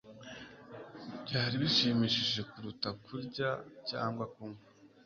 byari bishimishije kuruta kurya cyangwa kunywa.